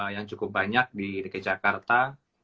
yang cukup banyak di kecakarta